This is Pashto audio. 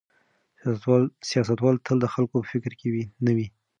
سیاستوال تل د خلکو په فکر کې نه وي.